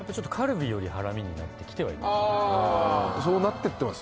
そうなってってます？